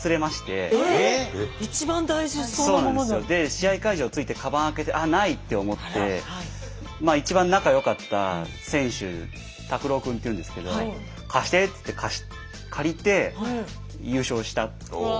試合会場着いてかばん開けて「ああない」って思ってまあ一番仲良かった選手タクロウ君っていうんですけど「貸して」っつって借りて優勝したっていう。